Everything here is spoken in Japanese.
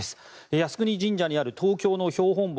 靖国神社にある東京の標本木